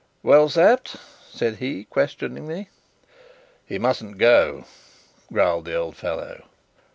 "Well, Sapt?" said he, questioningly. "He mustn't go," growled the old fellow.